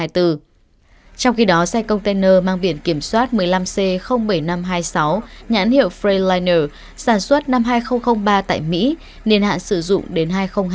trong khi đó xe container mang biển kiểm soát một mươi năm c bảy nghìn năm trăm hai mươi sáu nhãn hiệu frand liner sản xuất năm hai nghìn ba tại mỹ niên hạn sử dụng đến hai nghìn hai mươi